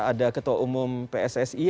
ada ketua umum pssi